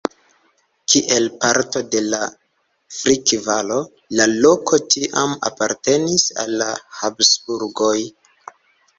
Kiel parto de la Frick-Valo, la loko tiam apartenis al la Habsburgoj.